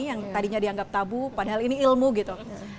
yang tadinya dianggap tabu padahal ini ilmu gitu